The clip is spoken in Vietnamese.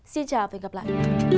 xin chào và hẹn gặp lại